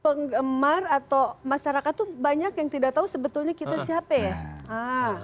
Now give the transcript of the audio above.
penggemar atau masyarakat tuh banyak yang tidak tahu sebetulnya kita siapa ya